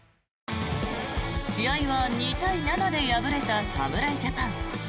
試合は２対７で敗れた侍ジャパン。